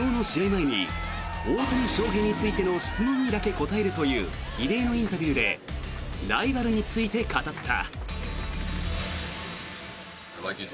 前に大谷翔平についての質問にだけ答えるという異例のインタビューでライバルについて語った。